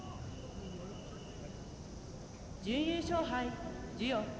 準優勝杯、授与。